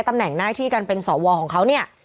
ตำแหน่งหน้าที่การเป็นสวของเขาเนี่ย